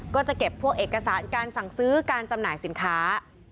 ก็จะเก็บพวกเอกสารการสั่งซื้อการจำหน่ายสินค้า